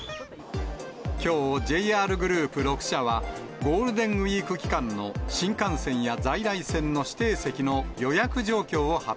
きょう、ＪＲグループ６社は、ゴールデンウィーク期間の新幹線や在来線の指定席の予約状況を発